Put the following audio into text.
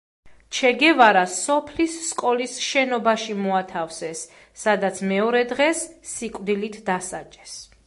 ჩე გევარა სოფლის სკოლის შენობაში მოათავსეს, სადაც მეორე დღეს სიკვდილით დასაჯეს.